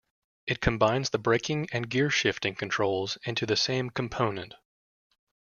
It combines the braking and gear shifting controls into the same component.